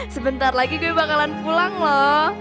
sebentar lagi gue bakalan pulang loh